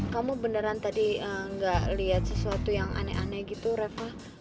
kamu beneran tadi gak lihat sesuatu yang aneh aneh gitu reva